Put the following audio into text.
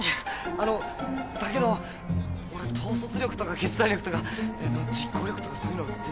あのだけど俺統率力とか決断力とか実行力とかそういうの全然ないし。